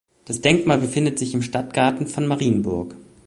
Das Denkmal befindet sich im Stadtgarten von Marienburg.